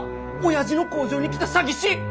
親父の工場に来た詐欺師。